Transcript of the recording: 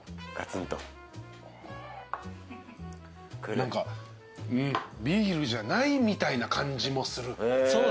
お何かうんビールじゃないみたいな感じもする。